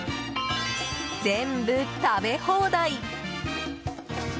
全部、食べ放題！